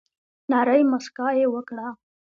نرۍ مسکا یي وکړه